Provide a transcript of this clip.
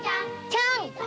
「ちゃん」。